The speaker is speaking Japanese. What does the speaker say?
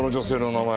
名前？